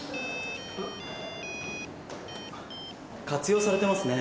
・活用されてますね。